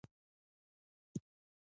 د پلورنځي خوندیتوب باید یقیني شي.